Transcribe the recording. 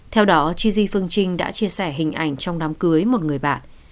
theo đó tri di phương trinh đã chia sẻ hình ảnh trong đám cưới một người bạn